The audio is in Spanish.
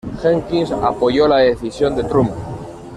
Jenkins apoyó la decisión de Trump.